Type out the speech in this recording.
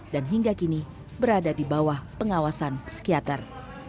dan hingga kini berada di bawah pengawasan psikiater